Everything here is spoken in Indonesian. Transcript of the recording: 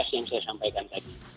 yang saya sampaikan tadi